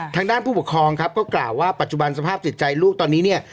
ทางด้านผู้ปกครองครับก็กล่าวว่าปัจจุบันสภาพจิตใจลูกตอนนี้เนี่ย